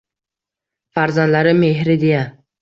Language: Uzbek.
Farzandlarim mehri deya